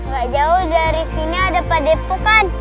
gak jauh dari sini ada padepokan